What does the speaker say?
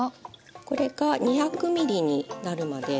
これが２００ミリになるまで。